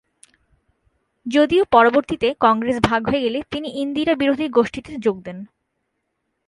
যদিও পরবর্তীতে কংগ্রেস ভাগ হয়ে গেলে তিনি ইন্দিরা বিরোধী গোষ্ঠীতে যোগ দেন।